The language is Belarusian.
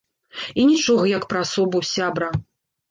І нічога як пра асобу, сябра.